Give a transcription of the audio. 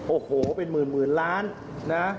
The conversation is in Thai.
โอ้โหเป็นหมื่นล้านนะ